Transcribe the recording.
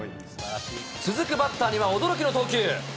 続くバッターには驚きの投球。